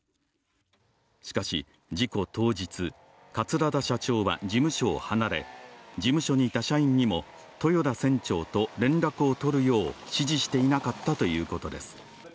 しかし事故当日、桂田社長は事務所を離れ事務所にいた社員にも豊田船長と連絡を取るよう指示していなかったということです。